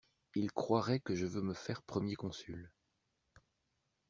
Ils croiraient que je veux me faire Premier Consul.